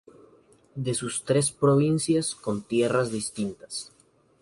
De sus tres provincias con tierras distintas.